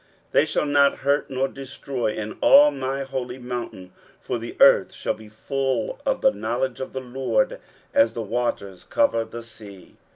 23:011:009 They shall not hurt nor destroy in all my holy mountain: for the earth shall be full of the knowledge of the LORD, as the waters cover the sea.